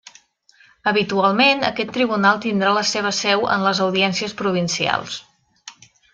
Habitualment, aquest tribunal tindrà la seva seu en les Audiències Provincials.